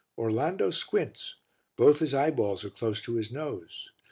Orlando squints, both his eyeballs are close to his nose.